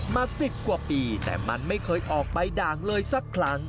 สิบกว่าปีแต่มันไม่เคยออกใบด่างเลยสักครั้ง